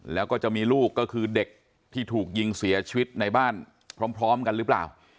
แล้วก็จะมีลูกก็คือเด็กที่ถูกยิงเสียชีวิตในบ้านพร้อมกันหรือเปล่า